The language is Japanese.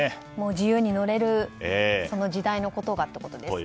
自由に乗れるその時代のことがってことですか。